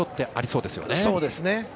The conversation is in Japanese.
そうですね。